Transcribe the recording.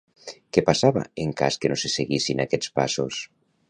Què passava en cas que no se seguissin aquests passos?